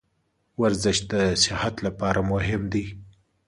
ورزش د صحت لپاره مهم دی.